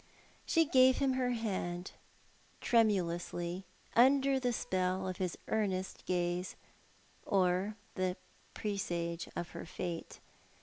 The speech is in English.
She gave him her hand, tremulously, under the spell of his earnest gaze, or the presage of her fate.